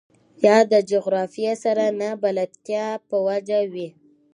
يا د جغرافيې سره نه بلدتيا په وجه وي.